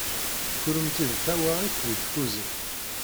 Kunemti d tawaɣit deg tkuzint.